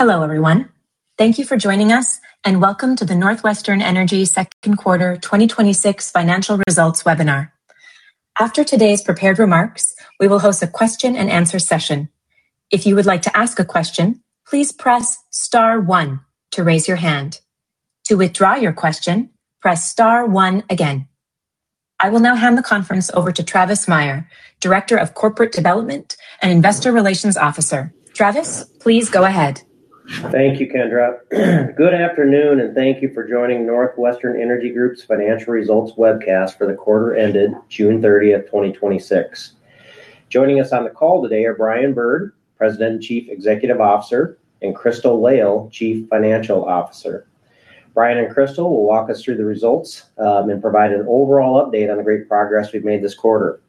Hello, everyone. Thank you for joining us, and welcome to the NorthWestern Energy second quarter 2026 financial results webinar. After today's prepared remarks, we will host a question-and-answer session. If you would like to ask a question, please press star-one to raise your hand. To withdraw your question, press star-one again. I will now hand the conference over to Travis Meyer, Director of Corporate Development and Investor Relations Officer. Travis, please go ahead. Thank you, Kendra. Good afternoon, and thank you for joining NorthWestern Energy Group's financial results webcast for the quarter ended June 30th, 2026. Joining us on the call today are Brian Bird, President and Chief Executive Officer, and Crystal Lail, Chief Financial Officer. Brian and Crystal will walk us through the results and provide an overall update on the great progress we've made this quarter.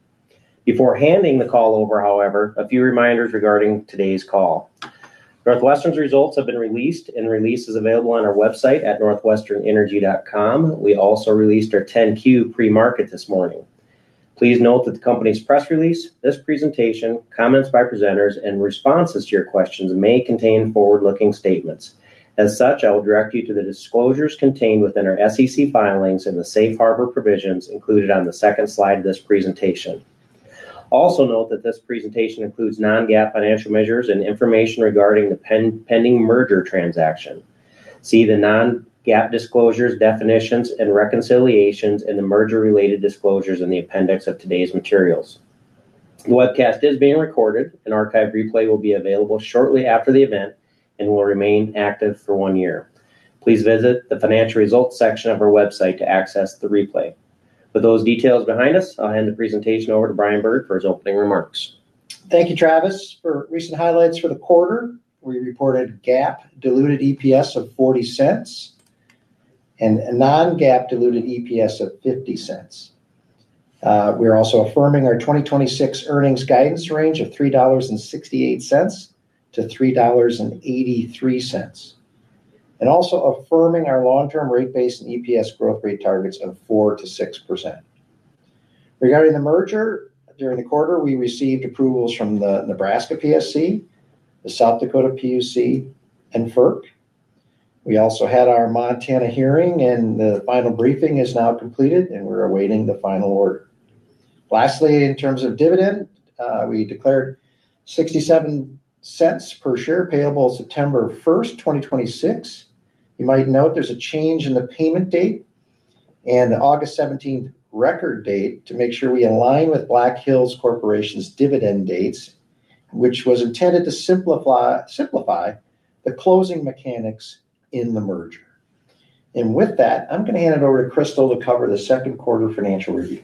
Before handing the call over, however, a few reminders regarding today's call. NorthWestern's results have been released and the release is available on our website at northwesternenergy.com. We also released our 10-Q pre-market this morning. Please note that the company's press release, this presentation, comments by presenters, and responses to your questions may contain forward-looking statements. As such, I will direct you to the disclosures contained within our SEC filings and the safe harbor provisions included on the second slide of this presentation. Also note that this presentation includes non-GAAP financial measures and information regarding the pending merger transaction. See the non-GAAP disclosures, definitions, and reconciliations in the merger-related disclosures in the appendix of today's materials. The webcast is being recorded. An archive replay will be available shortly after the event and will remain active for one year. Please visit the financial results section of our website to access the replay. With those details behind us, I'll hand the presentation over to Brian Bird for his opening remarks. Thank you, Travis. For recent highlights for the quarter, we reported GAAP diluted EPS of $0.40 and a non-GAAP diluted EPS of $0.50. We are also affirming our 2026 earnings guidance range of $3.68-$3.83, and also affirming our long-term rate base and EPS growth rate targets of 4%-6%. Regarding the merger, during the quarter, we received approvals from the Nebraska PSC, the South Dakota PUC, and FERC. We also had our Montana hearing, and the final briefing is now completed, and we're awaiting the final order. Lastly, in terms of dividend, we declared $0.67 per share payable September 1st, 2026. You might note there's a change in the payment date and August 17th record date to make sure we align with Black Hills Corporation's dividend dates, which was intended to simplify the closing mechanics in the merger. With that, I'm going to hand it over to Crystal to cover the second quarter financial review.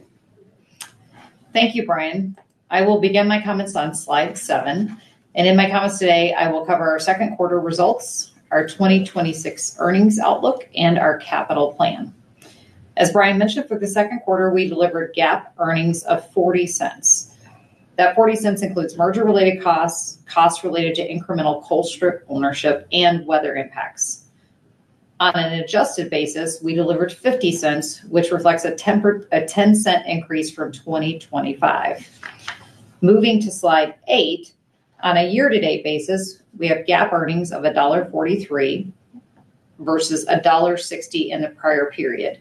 Thank you, Brian. I will begin my comments on slide seven. In my comments today, I will cover our second quarter results, our 2026 earnings outlook, and our capital plan. As Brian mentioned, for the second quarter, we delivered GAAP earnings of $0.40. That $0.40 includes merger-related costs related to incremental Colstrip ownership, and weather impacts. On an adjusted basis, we delivered $0.50, which reflects a $0.10 increase from 2025. Moving to slide eight. On a year-to-date basis, we have GAAP earnings of $1.43 versus $1.60 in the prior period.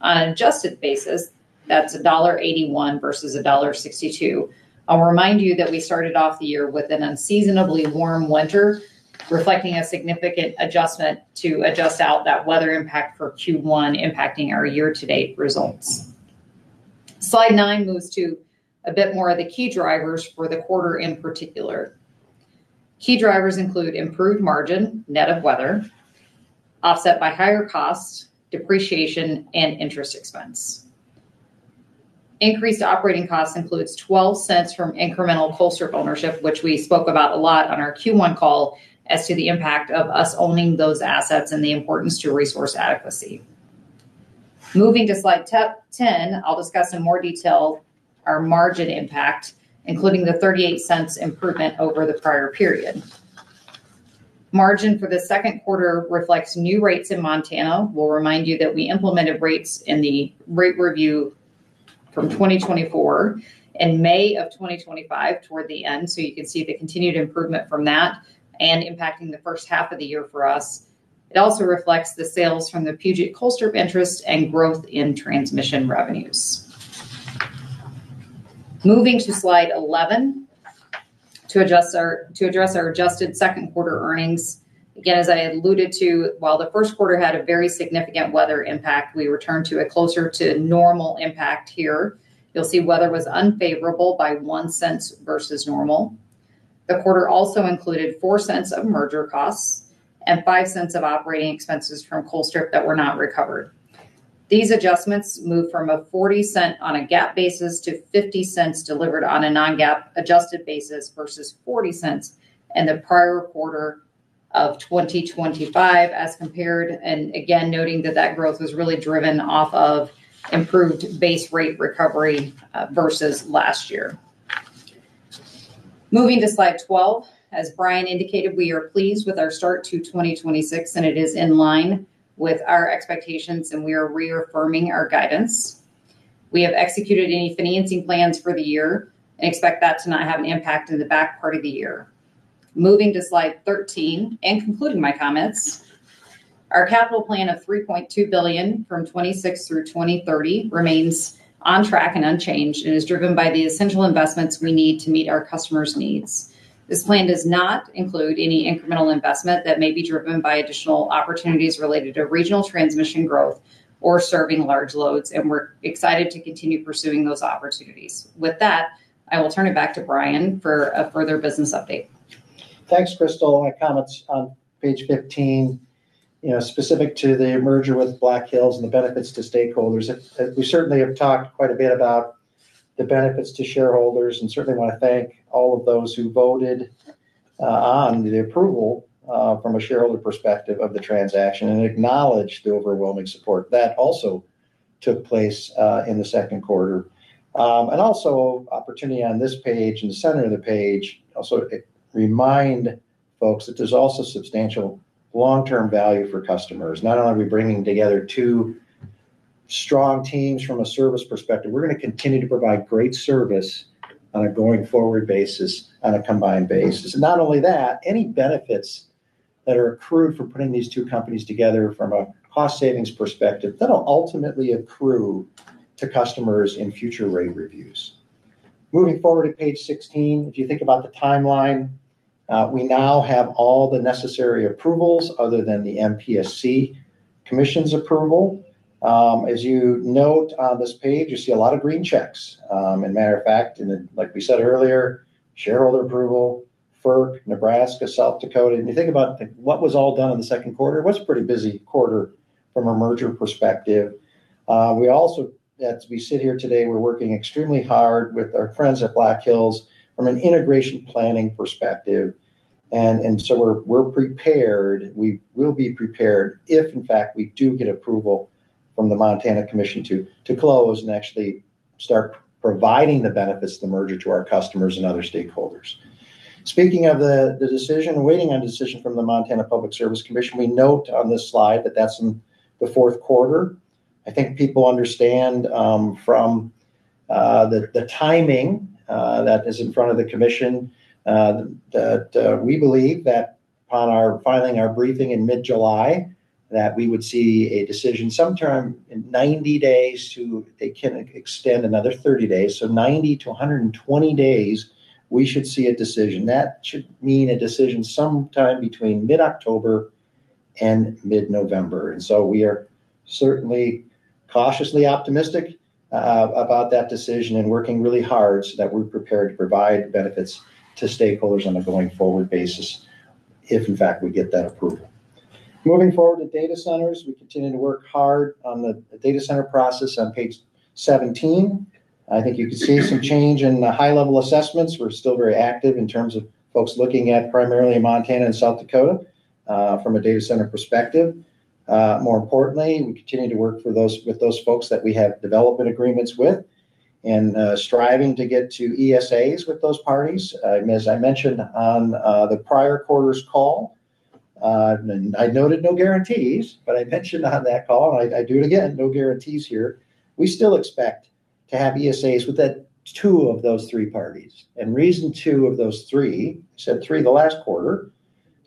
On an adjusted basis, that's $1.81 versus $1.62. I'll remind you that we started off the year with an unseasonably warm winter, reflecting a significant adjustment to adjust out that weather impact for Q1 impacting our year-to-date results. Slide nine moves to a bit more of the key drivers for the quarter in particular. Key drivers include improved margin, net of weather, offset by higher costs, depreciation, and interest expense. Increased operating costs includes $0.12 from incremental Colstrip ownership, which we spoke about a lot on our Q1 call as to the impact of us owning those assets and the importance to resource adequacy. Moving to slide 10, I'll discuss in more detail our margin impact, including the $0.38 improvement over the prior period. Margin for the second quarter reflects new rates in Montana. We'll remind you that we implemented rates in the rate review from 2024 in May of 2025 toward the end, you can see the continued improvement from that and impacting the first half of the year for us. It also reflects the sales from the Puget Colstrip interest and growth in transmission revenues. Moving to slide 11 to address our adjusted second quarter earnings. Again, as I alluded to, while the first quarter had a very significant weather impact, we returned to a closer to normal impact here. You'll see weather was unfavorable by $0.01 versus normal. The quarter also included $0.04 of merger costs and $0.05 of operating expenses from Colstrip that were not recovered. These adjustments moved from a $0.40 on a GAAP basis to $0.50 delivered on a non-GAAP adjusted basis versus $0.40 in the prior quarter of 2025 as compared, again, noting that that growth was really driven off of improved base rate recovery versus last year. Moving to slide 12. As Brian indicated, we are pleased with our start to 2026. It is in line with our expectations, and we are reaffirming our guidance. We have executed any financing plans for the year and expect that to not have an impact in the back part of the year. Moving to slide 13 and concluding my comments, our capital plan of $3.2 billion from 2026 through 2030 remains on track and unchanged and is driven by the essential investments we need to meet our customers' needs. This plan does not include any incremental investment that may be driven by additional opportunities related to regional transmission growth or serving large loads. We are excited to continue pursuing those opportunities. With that, I will turn it back to Brian for a further business update. Thanks, Crystal. My comments on Page 15, specific to the merger with Black Hills and the benefits to stakeholders. We certainly have talked quite a bit about the benefits to shareholders, and certainly want to thank all of those who voted on the approval from a shareholder perspective of the transaction and acknowledge the overwhelming support. That also took place in the second quarter. Also opportunity on this page, in the center of the page, also remind folks that there is also substantial long-term value for customers. Not only are we bringing together two strong teams from a service perspective, we are going to continue to provide great service on a going-forward basis on a combined basis. Not only that, any benefits that are accrued for putting these two companies together from a cost savings perspective, that will ultimately accrue to customers in future rate reviews. Moving forward to Page 16. If you think about the timeline, we now have all the necessary approvals other than the MPSC Commission's approval. As you note on this page, you see a lot of green checks. Matter of fact, then like we said earlier, shareholder approval, FERC, Nebraska, South Dakota, and you think about what was all done in the second quarter, it was a pretty busy quarter from a merger perspective. We also, as we sit here today, we are working extremely hard with our friends at Black Hills from an integration planning perspective. So we are prepared, we will be prepared if in fact we do get approval from the Montana Commission to close and actually start providing the benefits of the merger to our customers and other stakeholders. Speaking of the decision, waiting on a decision from the Montana Public Service Commission, we note on this slide that that is in the fourth quarter. I think people understand from the timing that is in front of the Commission that we believe that upon our filing our briefing in mid-July, that we would see a decision sometime in 90 days. They can extend another 30 days. 90-120 days, we should see a decision. That should mean a decision sometime between mid-October and mid-November. We are certainly cautiously optimistic about that decision and working really hard so that we are prepared to provide benefits to stakeholders on a going-forward basis if in fact we get that approval. Moving forward to data centers. We continue to work hard on the data center process on page 17. I think you can see some change in the high-level assessments. We're still very active in terms of folks looking at primarily Montana and South Dakota from a data center perspective. More importantly, we continue to work with those folks that we have development agreements with and striving to get to ESAs with those parties. As I mentioned on the prior quarter's call, I noted no guarantees, but I mentioned on that call, and I do it again, no guarantees here. We still expect to have ESAs with at two of those three parties. Reason two of those three, I said three the last quarter,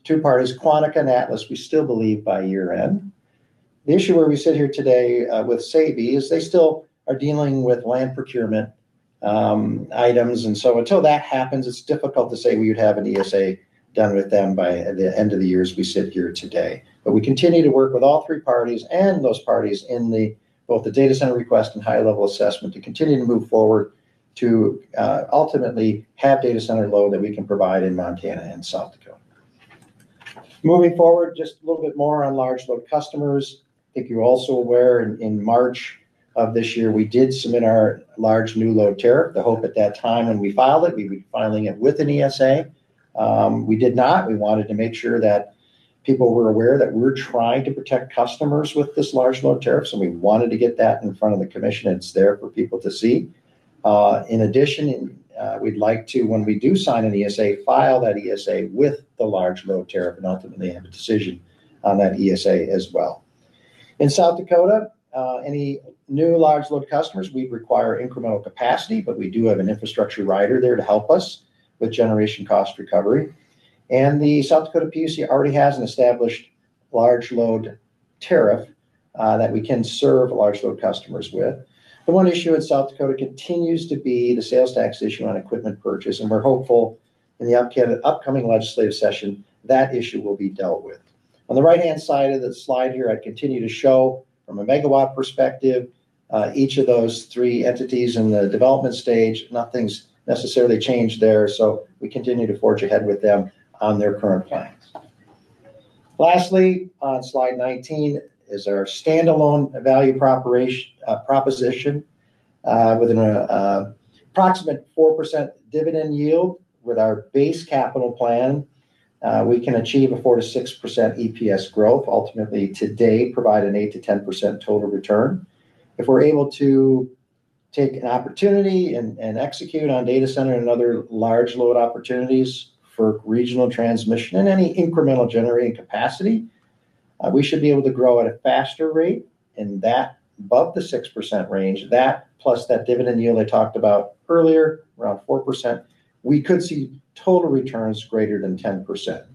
two parties, Quantica and Atlas, we still believe by year-end. The issue where we sit here today with Sabey is they still are dealing with land procurement items, and so until that happens, it's difficult to say we would have an ESA done with them by the end of the year as we sit here today. We continue to work with all three parties and those parties in the, both the data center request and high-level assessment to continue to move forward to ultimately have data center load that we can provide in Montana and South Dakota. Moving forward, just a little bit more on large load customers. I think you're also aware in March of this year, we did submit our Large New Load Tariff. The hope at that time when we filed it, we'd be filing it with an ESA. We did not. We wanted to make sure that people were aware that we're trying to protect customers with this large load tariff, so we wanted to get that in front of the commission. It's there for people to see. In addition, we'd like to, when we do sign an ESA, file that ESA with the Large Load Tariff and ultimately have a decision on that ESA as well. In South Dakota, any new large load customers, we require incremental capacity, but we do have an Infrastructure Rider there to help us with generation cost recovery. The South Dakota PUC already has an established large load tariff that we can serve large load customers with. The one issue with South Dakota continues to be the sales tax issue on equipment purchase, and we're hopeful in the upcoming Legislative Session, that issue will be dealt with. On the right-hand side of the slide here, I continue to show from a megawatt perspective, each of those three entities in the development stage. Nothing's necessarily changed there. We continue to forge ahead with them on their current plans. Lastly, on Slide 19 is our standalone value proposition. With an approximate 4% dividend yield with our base capital plan, we can achieve a 4%-6% EPS growth, ultimately today provide an 8%-10% total return. If we're able to take an opportunity and execute on data center and other large load opportunities for regional transmission and any incremental generating capacity, we should be able to grow at a faster rate, and above the 6% range. That, plus that dividend yield I talked about earlier, around 4%, we could see total returns greater than 10%.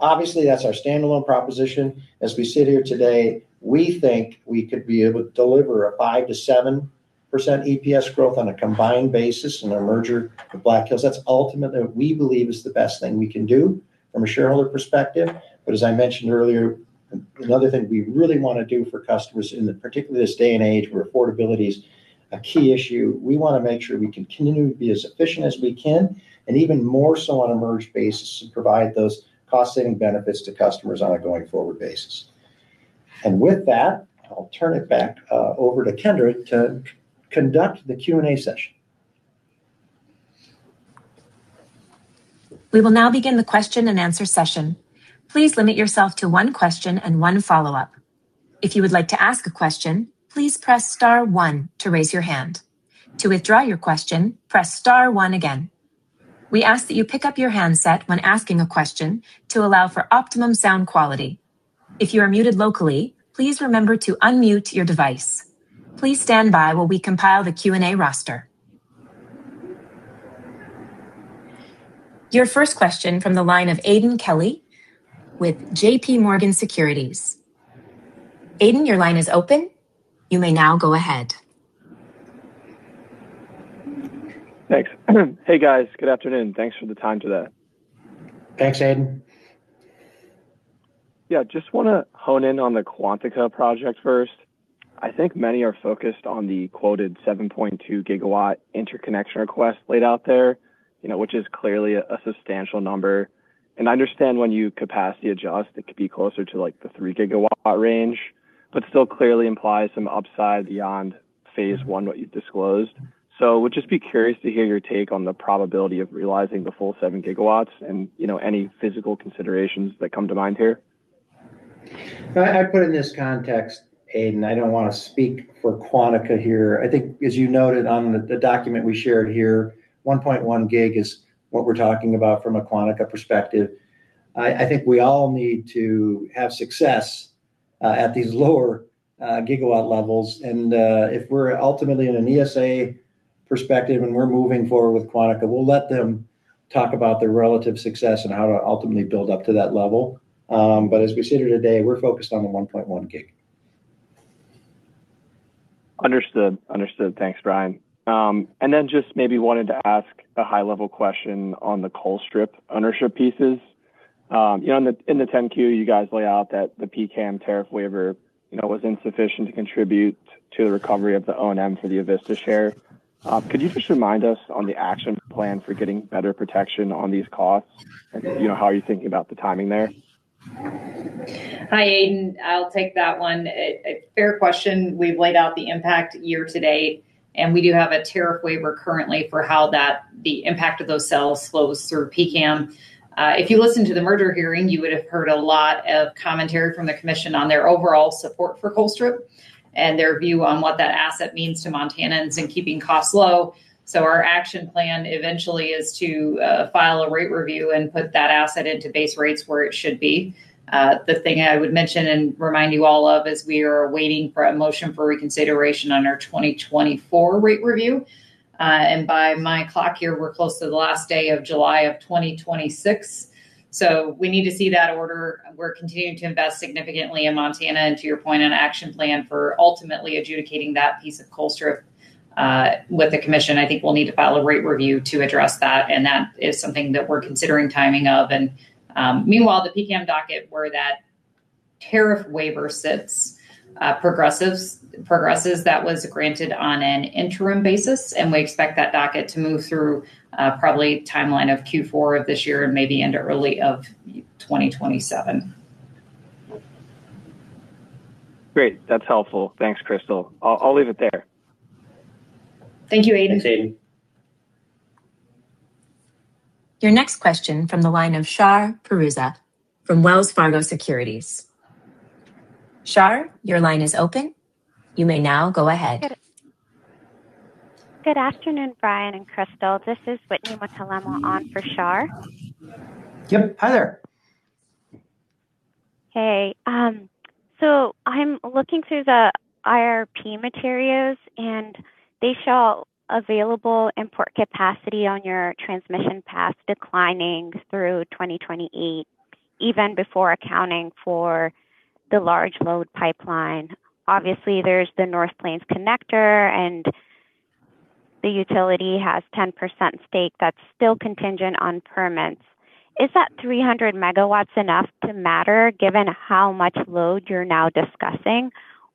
Obviously, that's our standalone proposition. As we sit here today, we think we could be able to deliver a 5%-7% EPS growth on a combined basis in our merger with Black Hills. That's ultimately what we believe is the best thing we can do from a shareholder perspective. As I mentioned earlier, another thing we really want to do for customers, particularly in this day and age where affordability is a key issue, we want to make sure we continue to be as efficient as we can, and even more so on a merged basis, and provide those cost-saving benefits to customers on a going-forward basis. With that, I'll turn it back over to Kendra to conduct the Q&A session. We will now begin the question-and-answer session. Please limit yourself to one question and one follow-up. If you would like to ask a question, please press star-one to raise your hand. To withdraw your question, press star-one again. We ask that you pick up your handset when asking a question to allow for optimum sound quality. If you are muted locally, please remember to unmute your device. Please stand by while we compile the Q&A roster. Your first question from the line of Aidan Kelly with J.P. Morgan Securities. Aidan, your line is open. You may now go ahead. Thanks. Hey, guys. Good afternoon. Thanks for the time today. Thanks, Aidan. Yeah, just want to hone in on the Quantica project first. I think many are focused on the quoted 7.2 GW interconnection request laid out there, which is clearly a substantial number. I understand when you capacity adjust, it could be closer to the 3 GW range, but still clearly implies some upside beyond phase one, what you've disclosed. Would just be curious to hear your take on the probability of realizing the full 7 GW and any physical considerations that come to mind here. I put in this context, Aidan, I don't want to speak for Quantica here. I think, as you noted on the document we shared here, 1.1 GW is what we're talking about from a Quantica perspective. I think we all need to have success at these lower gigawatt levels. If we're ultimately in an ESA perspective and we're moving forward with Quantica, we'll let them talk about their relative success and how to ultimately build up to that level. As we sit here today, we're focused on the 1.1 GW. Understood. Thanks, Brian. Then just maybe wanted to ask a high-level question on the Colstrip ownership pieces. In the 10-Q, you guys lay out that the PCCAM tariff waiver was insufficient to contribute to the recovery of the O&M for the Avista share. Could you just remind us on the action plan for getting better protection on these costs? How are you thinking about the timing there? Hi, Aidan. I'll take that one. A fair question. We've laid out the impact year-to-date, and we do have a tariff waiver currently for how the impact of those sales flows through PCCAM. If you listen to the merger hearing, you would have heard a lot of commentary from the Commission on their overall support for Colstrip and their view on what that asset means to Montanans in keeping costs low. Our action plan eventually is to file a rate review and put that asset into base rates where it should be. The thing I would mention and remind you all of is we are waiting for a motion for reconsideration on our 2024 rate review. By my clock here, we're close to the last day of July of 2026. We need to see that order. We're continuing to invest significantly in Montana, to your point, an action plan for ultimately adjudicating that piece of Colstrip with the Commission. I think we'll need to file a rate review to address that, and that is something that we're considering timing of. Meanwhile, the PCCAM docket where that tariff waiver sits progresses. That was granted on an interim basis, and we expect that docket to move through probably timeline of Q4 of this year and maybe into early of 2027. Great. That's helpful. Thanks, Crystal. I'll leave it there. Thank you, Aidan. Thanks, Aidan. Your next question from the line of Shar Pourreza from Wells Fargo Securities. Shar, your line is open. You may now go ahead. Good afternoon, Brian and Crystal. This is Whitney Mutalemwa on for Shar. Yep. Hi there. Hey. I'm looking through the IRP materials, and they show available import capacity on your transmission path declining through 2028, even before accounting for the large load pipeline. Obviously, there's the North Plains Connector, and the utility has 10% stake that's still contingent on permits. Is that 300 MW enough to matter given how much load you're now discussing?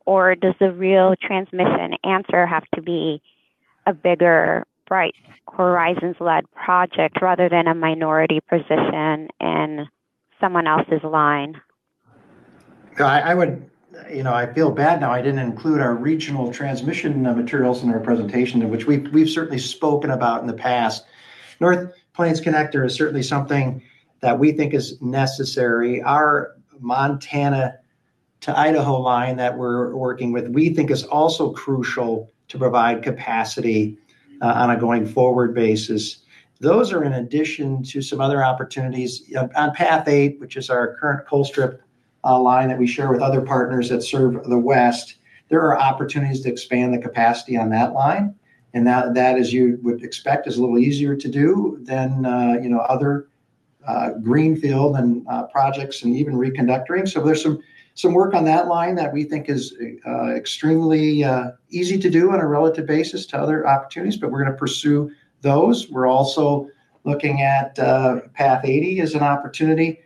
Does the real transmission answer have to be a bigger Bright Horizon-led project rather than a minority position in someone else's line? I feel bad now I didn't include our regional transmission materials in our presentation, which we've certainly spoken about in the past. North Plains Connector is certainly something that we think is necessary. Our Montana-to-Idaho line that we're working with, we think is also crucial to provide capacity on a going-forward basis. Those are in addition to some other opportunities. On Path 8, which is our current Colstrip line that we share with other partners that serve the West, there are opportunities to expand the capacity on that line. That, as you would expect, is a little easier to do than other greenfield and projects, and even reconductoring. There's some work on that line that we think is extremely easy to do on a relative basis to other opportunities, but we're going to pursue those. We're also looking at Path 80 as an opportunity.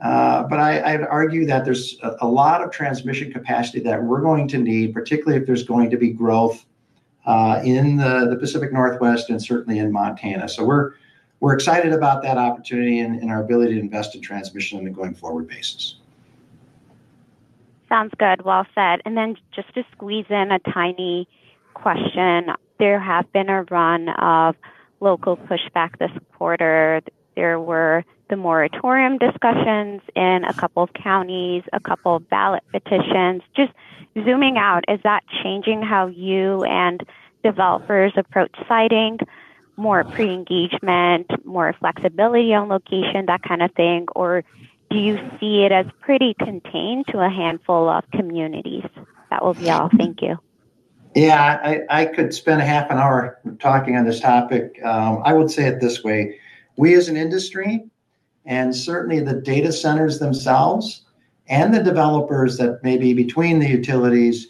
I'd argue that there's a lot of transmission capacity that we're going to need, particularly if there's going to be growth in the Pacific Northwest and certainly in Montana. We're excited about that opportunity and our ability to invest in transmission on a going forward basis. Sounds good. Well said. Then just to squeeze in a tiny question, there have been a run of local pushback this quarter. There were the moratorium discussions in a couple of counties, a couple of ballot petitions. Just zooming out, is that changing how you and developers approach siting? More pre-engagement, more flexibility on location, that kind of thing? Or do you see it as pretty contained to a handful of communities? That will be all. Thank you. Yeah, I could spend a half an hour talking on this topic. I would say it this way. We, as an industry, and certainly the data centers themselves, and the developers that may be between the utilities,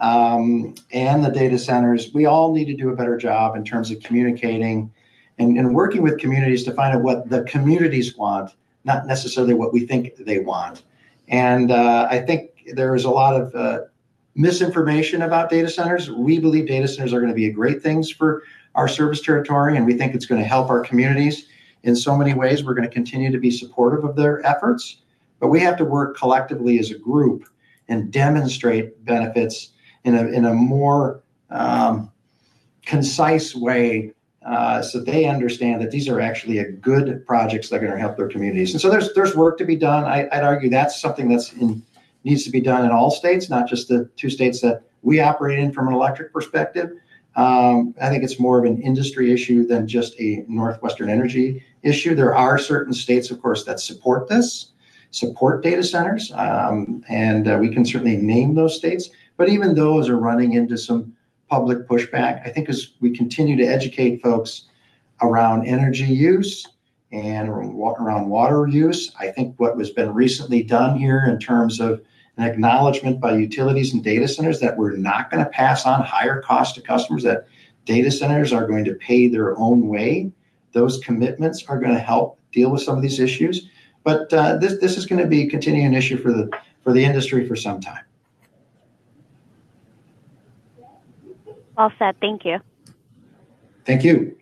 and the data centers, we all need to do a better job in terms of communicating and working with communities to find out what the communities want, not necessarily what we think they want. I think there is a lot of misinformation about data centers. We believe data centers are going to be great things for our service territory, we think it's going to help our communities in so many ways. We're going to continue to be supportive of their efforts. We have to work collectively as a group and demonstrate benefits in a more concise way, so they understand that these are actually good projects that are going to help their communities. There's work to be done. I'd argue that's something that needs to be done in all states, not just the two states that we operate in from an electric perspective. I think it's more of an industry issue than just a NorthWestern Energy issue. There are certain states, of course, that support this, support data centers, and we can certainly name those states. Even those are running into some public pushback. I think as we continue to educate folks around energy use and around water use, I think what has been recently done here in terms of an acknowledgement by utilities and data centers that we're not going to pass on higher cost to customers, that data centers are going to pay their own way. Those commitments are going to help deal with some of these issues. This is going to be a continuing issue for the industry for some time. Well said. Thank you. Thank you.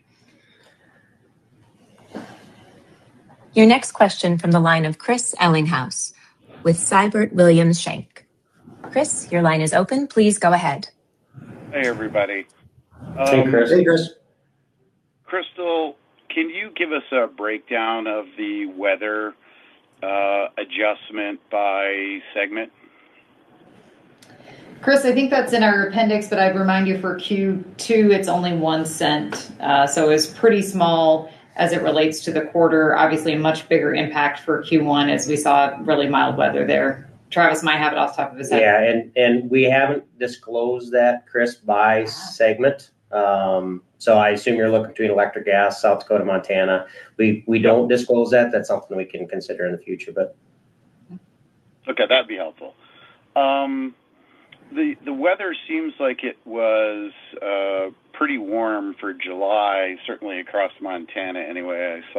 Your next question from the line of Chris Ellinghaus with Siebert Williams Shank. Chris, your line is open. Please go ahead. Hey, everybody. Hey, Chris. Hey, Chris. Crystal, can you give us a breakdown of the weather adjustment by segment? Chris, I think that's in our appendix, but I'd remind you for Q2, it's only $0.01. It was pretty small as it relates to the quarter. Obviously, a much bigger impact for Q1 as we saw really mild weather there. Travis might have it off the top of his head. We haven't disclosed that, Chris, by segment. I assume you're looking between electric gas, South Dakota, Montana. We don't disclose that. That's something we can consider in the future. Okay. That'd be helpful. The weather seems like it was pretty warm for July, certainly across Montana, anyway, I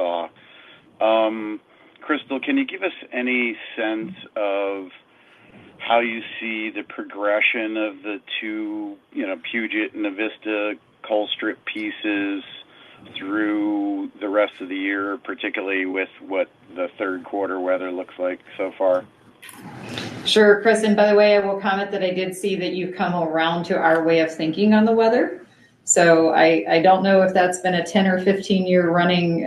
saw. Crystal, can you give us any sense of how you see the progression of the two, Puget and the Avista Colstrip pieces through the rest of the year, particularly with what the third quarter weather looks like so far? Sure, Chris, and by the way, I will comment that I did see that you've come around to our way of thinking on the weather. I don't know if that's been a 10 or 15-year running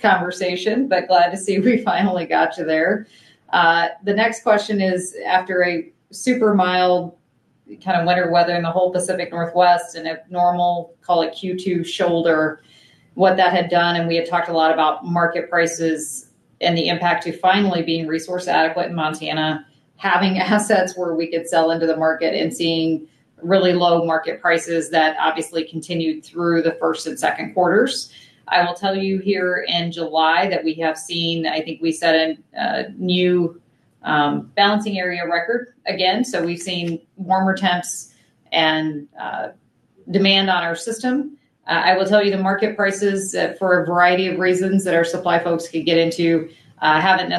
conversation, but glad to see we finally got you there. The next question is, after a super mild winter weather in the whole Pacific Northwest and a normal, call it Q2 shoulder, what that had done, and we had talked a lot about market prices and the impact to finally being resource adequate in Montana, having assets where we could sell into the market and seeing really low market prices that obviously continued through the first and second quarters. I will tell you here in July that we have seen, I think we set a new balancing area record again. We've seen warmer temps and demand on our system. I will tell you the market prices, for a variety of reasons that our supply folks could get into, there haven't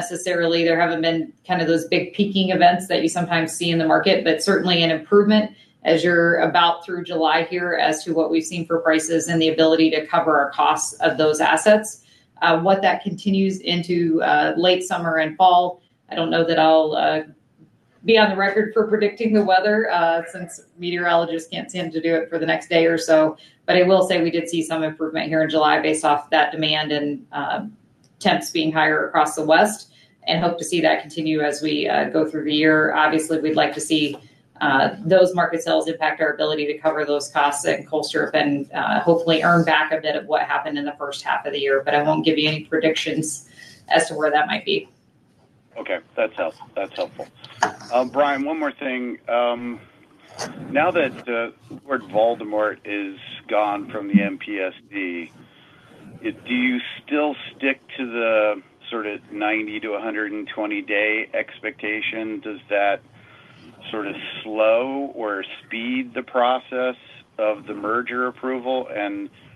been those big peaking events that you sometimes see in the market, but certainly an improvement as you're about through July here as to what we've seen for prices and the ability to cover our costs of those assets. What that continues into late summer and fall, I don't know that I'll be on the record for predicting the weather, since meteorologists can't seem to do it for the next day or so. I will say we did see some improvement here in July based off that demand and Temps being higher across the West, hope to see that continue as we go through the year. Obviously, we'd like to see those market sales impact our ability to cover those costs at Colstrip and hopefully earn back a bit of what happened in the first half of the year. I won't give you any predictions as to where that might be. Okay. That's helpful. Brian, one more thing. Now that Lord Voldemort is gone from the MPSC, do you still stick to the sort of 90-to-120-day expectation? Does that sort of slow or speed the process of the merger approval?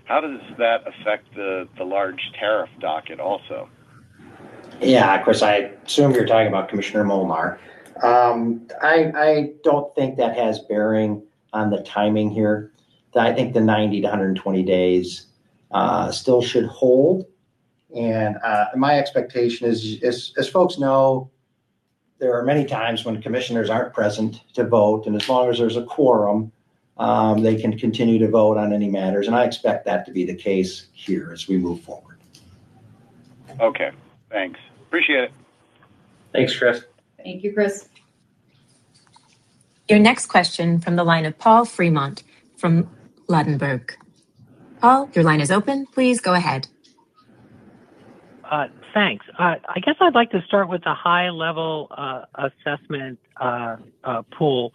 How does that affect the large tariff docket also? Yeah, Chris, I assume you're talking about Commissioner Molnar. I don't think that has a bearing on the timing here. I think the 90 to 120 days still should hold. My expectation is, as folks know, there are many times when commissioners aren't present to vote, as long as there's a quorum, they can continue to vote on any matters, I expect that to be the case here as we move forward. Okay, thanks. Appreciate it. Thanks, Chris. Thank you, Chris. Your next question from the line of Paul Fremont from Ladenburg. Paul, your line is open. Please go ahead. Thanks. I guess I'd like to start with the high-level assessment pool,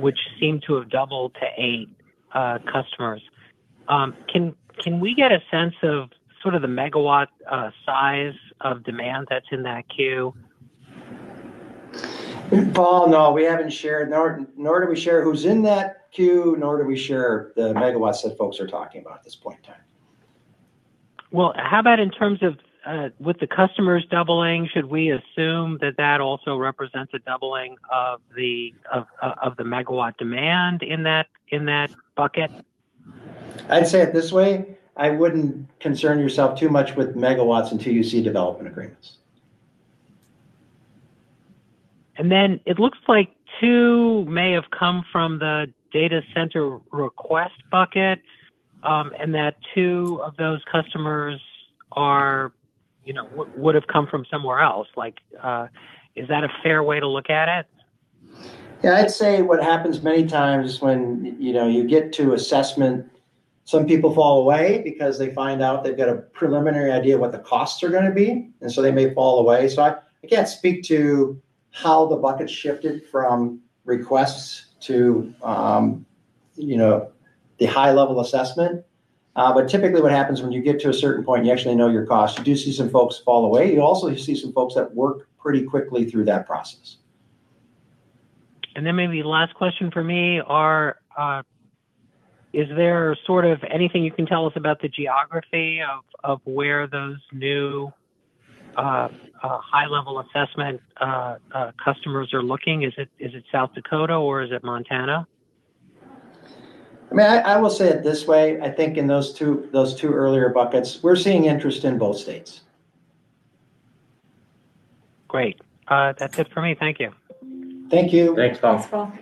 which seemed to have doubled to eight customers. Can we get a sense of sort of the megawatt size of demand that's in that queue? Paul, no, we haven't shared. Nor do we share who's in that queue, nor do we share the megawatts that folks are talking about at this point in time. Well, how about in terms of with the customers doubling, should we assume that that also represents a doubling of the megawatt demand in that bucket? I'd say it this way, I wouldn't concern yourself too much with megawatts until you see development agreements. It looks like two may have come from the data center request bucket, and that two of those customers would've come from somewhere else. Is that a fair way to look at it? Yeah. I'd say what happens many times when you get to assessment, some people fall away because they find out they've got a preliminary idea what the costs are going to be, and so they may fall away. I can't speak to how the bucket shifted from requests to the high-level assessment. Typically, what happens when you get to a certain point, you actually know your cost. You do see some folks fall away. You also see some folks that work pretty quickly through that process. Maybe the last question for me. Is there sort of anything you can tell us about the geography of where those new high-level assessment customers are looking? Is it South Dakota or is it Montana? I will say it this way. I think in those two earlier buckets, we're seeing interest in both states. Great. That's it for me. Thank you. Thank you. Thanks, Paul. Thanks, Paul.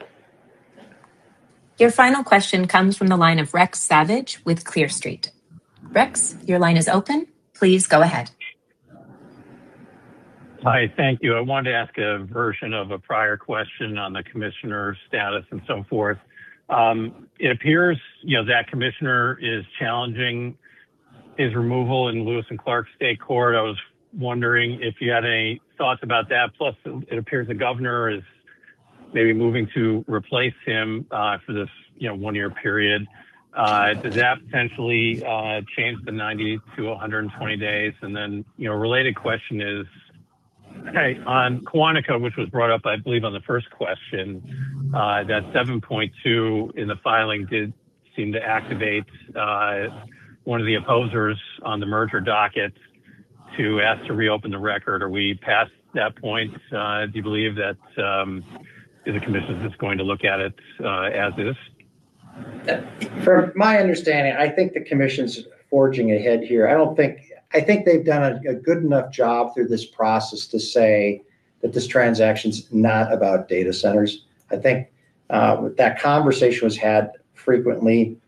Your final question comes from the line of Rex Savage with Clear Street. Rex, your line is open. Please go ahead. Hi. Thank you. I wanted to ask a version of a prior question on the Commissioner's status and so forth. It appears that Commissioner is challenging his removal in Lewis and Clark District Court. I was wondering if you had any thoughts about that. Plus, it appears the governor is maybe moving to replace him for this one-year period. Does that potentially change the 90-120 days? Related question is on Quantica, which was brought up, I believe, on the first question. That 7.2 in the filing did seem to activate one of the opposers on the merger docket to ask to reopen the record. Are we past that point? Do you believe that the Commission is just going to look at it as is? From my understanding, I think the Commission's forging ahead here. I think they've done a good enough job through this process to say that this transaction's not about data centers. I think that conversation was had frequently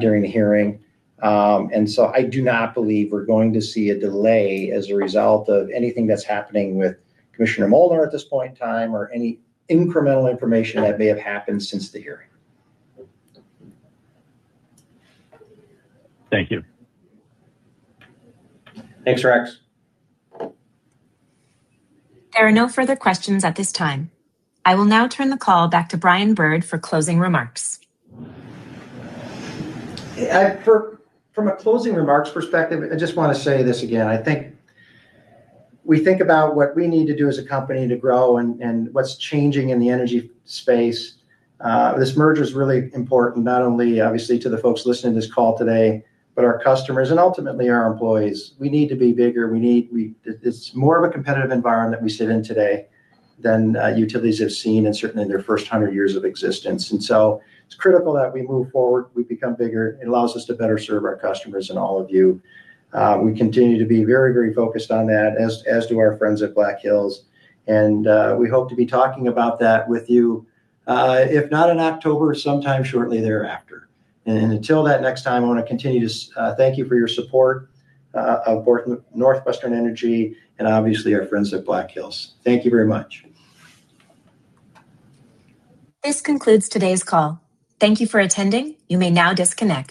during the hearing. I do not believe we're going to see a delay as a result of anything that's happening with Commissioner Molnar at this point in time or any incremental information that may have happened since the hearing. Thank you. Thanks, Rex. There are no further questions at this time. I will now turn the call back to Brian Bird for closing remarks. From a closing remarks perspective, I just want to say this again. I think we think about what we need to do as a company to grow and what's changing in the energy space. This merger is really important, not only obviously to the folks listening to this call today, but our customers and ultimately our employees. We need to be bigger. It's more of a competitive environment that we sit in today than utilities have seen in certainly in their first 100 years of existence. So it's critical that we move forward, we become bigger. It allows us to better serve our customers and all of you. We continue to be very, very focused on that, as do our friends at Black Hills, we hope to be talking about that with you, if not in October, sometime shortly thereafter. Until that next time, I want to continue to thank you for your support of NorthWestern Energy and obviously our friends at Black Hills. Thank you very much. This concludes today's call. Thank you for attending. You may now disconnect